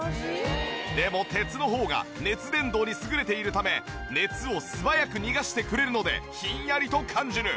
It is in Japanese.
でも鉄の方が熱伝導に優れているため熱を素早く逃がしてくれるのでひんやりと感じる。